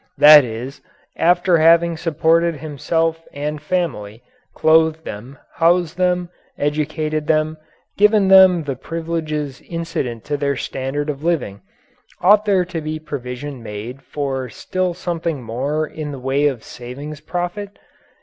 That is, after having supported himself and family, clothed them, housed them, educated them, given them the privileges incident to their standard of living, ought there to be provision made for still something more in the way of savings profit?